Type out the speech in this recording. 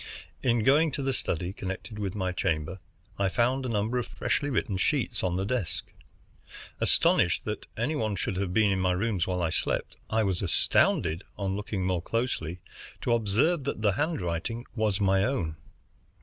In going into the study connected with my chamber, I found a number of freshly written sheets on the desk. Astonished that any one should have been in my rooms while I slept, I was astounded, on looking more closely, to observe that the handwriting was my own.